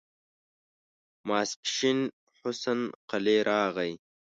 ماسپښين حسن قلي راغی.